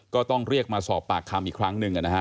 ก็ต้องเรียกมาสอบปากคำอีกครั้งหนึ่งนะฮะ